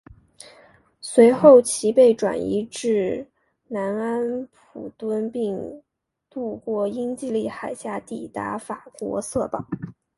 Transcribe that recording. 随后其被转移至南安普敦并渡过英吉利海峡抵达法国瑟堡。